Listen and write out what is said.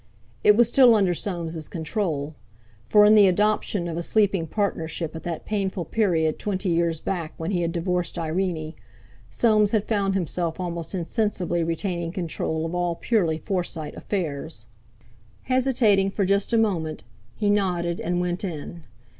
It was still under Soames' control; for in the adoption of a sleeping partnership at that painful period twenty years back when he had divorced Irene, Soames had found himself almost insensibly retaining control of all purely Forsyte affairs. Hesitating for just a moment, he nodded and went in.